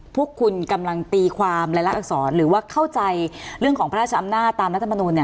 พวกคุณกำลังตีความรายละอักษรหรือว่าเข้าใจเรื่องของพระราชอำนาจตามรัฐมนูล